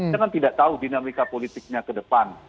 karena tidak tahu dinamika politiknya ke depan